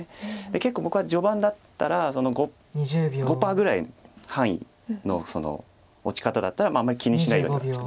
結構僕は序盤だったら５％ぐらいの範囲の落ち方だったらあんまり気にしないようにはしてます。